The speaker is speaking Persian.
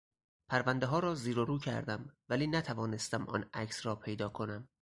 پروندهها را زیر و رو کردم ولی نتوانستم آن عکس را پیدا کنم.